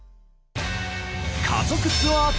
家族ツアー対決。